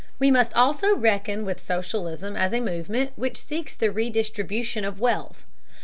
We must also reckon with socialism as a movement which seeks the redistribution of wealth.